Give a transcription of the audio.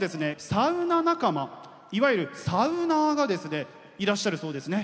サウナ仲間いわゆるサウナーがですねいらっしゃるそうですね。